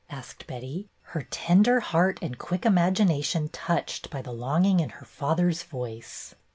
asked Betty, her tender heart and quick imagination touched by the longing in her father's voice.